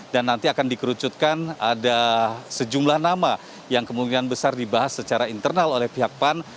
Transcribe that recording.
dan nanti akan dikerucutkan ada sejumlah nama yang kemungkinan besar dibahas secara internal oleh pihak pan